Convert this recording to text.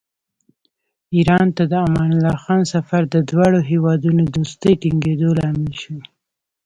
ایران ته د امان الله خان سفر د دواړو هېوادونو دوستۍ ټینګېدو لامل شو.